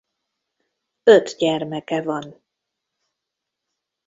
Öt gyermeke van.